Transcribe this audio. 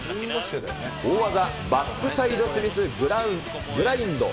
大技、バックサイドスミスグラインド。